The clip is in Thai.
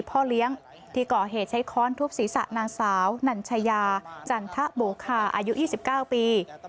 พ่อเลี้ยงที่ก่อเหตุใช้ค้อนทุบศีรษะนางสาวนัญชายาจันทะโบคาอายุ๒๙ปี